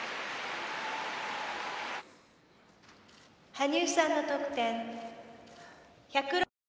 「羽生さんの得点１６５．７１」。